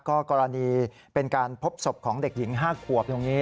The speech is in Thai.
ก็กรณีเป็นการพบศพของเด็กหญิง๕ขวบตรงนี้